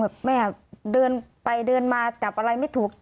แบบแม่เดินไปเดินมาจับอะไรไม่ถูก